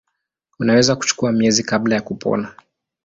Unaweza kuchukua miezi kabla ya kupona.